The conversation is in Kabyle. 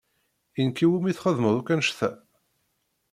I nekk i wumi txedmem akk annect-a?